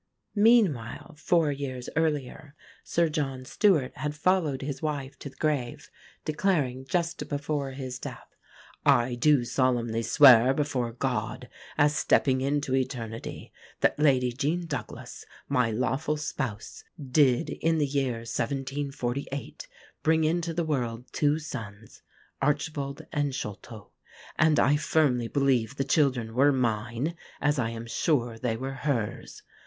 Meanwhile (four years earlier) Sir John Stewart had followed his wife to the grave, declaring, just before his death: "I do solemnly swear before God, as stepping into Eternity, that Lady Jean Douglas, my lawful spouse, did in the year 1748, bring into the world two sons, Archibald and Sholto; and I firmly believe the children were mine, as I am sure they were hers.